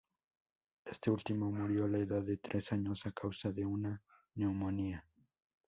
Este último murió a la edad de tres años a causa de una neumonía.